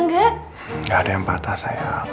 nggak ada yang patah sayang